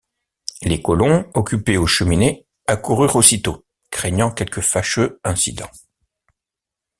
Les colons, occupés aux Cheminées, accoururent aussitôt, craignant quelque fâcheux incident.